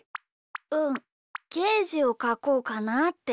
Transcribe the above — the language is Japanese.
うんゲージをかこうかなって。